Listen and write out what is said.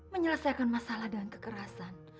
menyelesaikan masalah dengan kekerasan